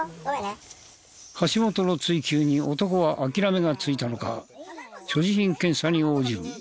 橋本の追及に男は諦めがついたのか所持品検査に応じる。